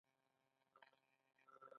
د پکتیا په ځاځي اریوب کې د مسو نښې شته.